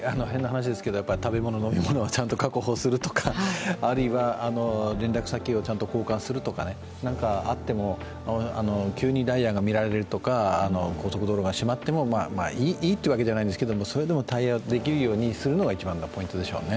食べ物はちゃんと確保するとかあるいは連絡先をちゃんと交換するとか、何かあっても急にダイヤが乱れるとか、高速道路が閉まってもいいというわけじゃないんですけど、それでも対応できるようにするのが一番のポイントでしょうね。